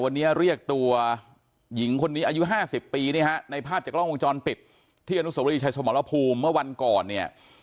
วันนี้เรียกตัวหญิงคนนี้อายุ๕๐ปีนี่ฮะในภาพจากกล้องวงจรปิดที่อนุสวรีชายสมรภูมิเมื่อวันก่อนเนี่ย